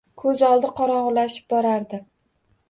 Ko‘z oldi qorong‘ulashib borardi.